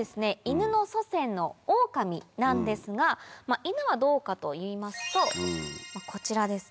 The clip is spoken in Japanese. イヌの祖先のオオカミなんですがイヌはどうかといいますとこちらですね。